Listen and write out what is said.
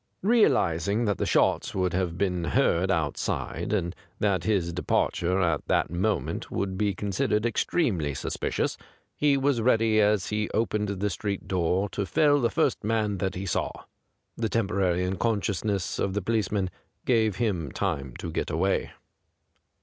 Real izing that the shots would have been heard outside, and that his de parture at that moment would be considered extremely suspicious, he was ready as he opened the street door to fell the first man that he saw. The temporary unconscious ness of the policeman gave him time to get away.